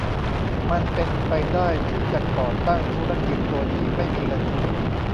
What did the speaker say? มันเป็นไปได้ที่จะก่อตั้งธุรกิจโดยที่ไม่มีเงินทุน